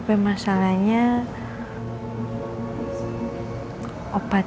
kita semua terjatuh